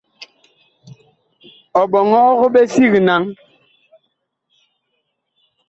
Ɔ ɓɔŋɔg ɓe sig naŋ.